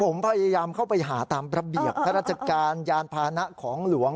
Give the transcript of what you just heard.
ผมพยายามเข้าไปหาตามระเบียบข้าราชการยานพานะของหลวง